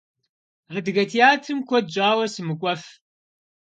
Адыгэ театрым куэд щӏауэ сымыкӏуэф.